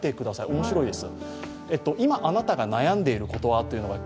面白いです。